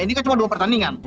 ini kan cuma dua pertandingan